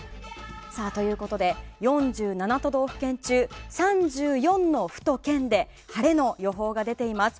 ということで４７都道府県中３４の府と県で晴れの予報が出ています。